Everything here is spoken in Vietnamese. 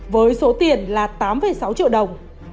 với số tiền là tám sáu triệu đồng